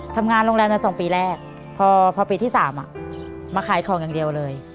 ทำงานโรงแรม๒ปีแรกพอปีที่๓มาขายของอย่างเดียวเลย